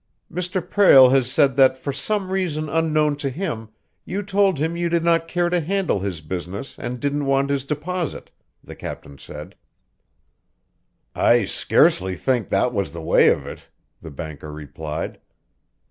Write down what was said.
"Mr. Prale has said that, for some reason unknown to him, you told him you did not care to handle his business and didn't want his deposit," the captain said. "I scarcely think that was the way of it," the banker replied.